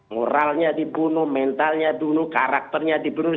moralnya dibunuh mentalnya dibunuh karakternya dibunuh